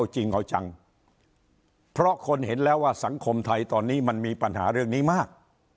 จริงเอาจังเพราะคนเห็นแล้วว่าสังคมไทยตอนนี้มันมีปัญหาเรื่องนี้มาก